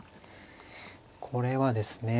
これはですね